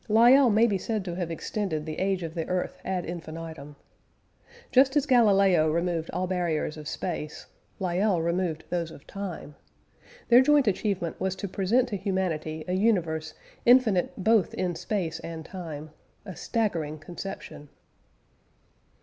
Lyell may be said to have extended the age of the earth ad infinitum. Just as Galileo removed all barriers of space, Lyell removed those of time. Their joint achievement was to present to humanity a universe infinite both in space and time a staggering conception.